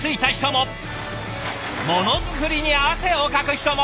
ものづくりに汗をかく人も！